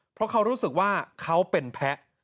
เพราะเขารู้สึกว่าเขาเป็นแพ้